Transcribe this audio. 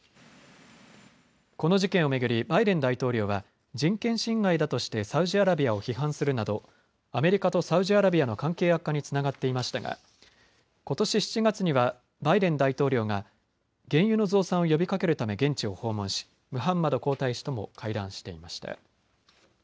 この事件を巡りバイデン大統領は人権侵害だとしてサウジアラビアを批判するなどアメリカとサウジアラビアの関係悪化につながっていましたがことし７月にはバイデン大統領が原油の増産を呼びかけるため現地を訪問しムハンマド皇太子とも会談していました。